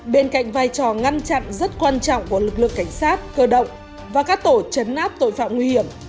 bên cạnh vai trò ngăn chặn rất quan trọng của lực lượng cảnh sát cơ động và các tổ chấn áp tội phạm nguy hiểm